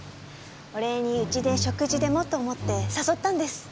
お礼にうちで食事でもと思って誘ったんです。